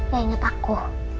gak inget aku